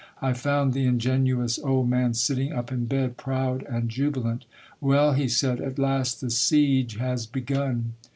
I found the in genuous old man sitting up in bed, proud and jubilant. "' Well,' he said, * at last the siege has begun